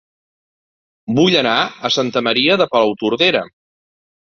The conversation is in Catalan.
Vull anar a Santa Maria de Palautordera